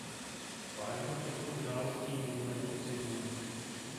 Vážnost těchto událostí nikdo nepodceňuje.